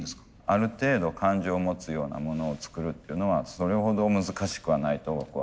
ある程度感情を持つようなものを作るっていうのはそれほど難しくはないと僕は思ってます。